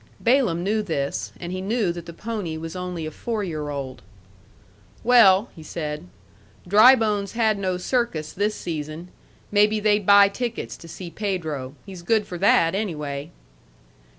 Balaam knew this, and he knew that the pony was only a four year old. "Well," he said, "Drybone's had no circus this season. Maybe they'd buy tickets to see Pedro. He's good for that, anyway."